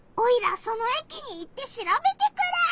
その駅に行ってしらべてくる！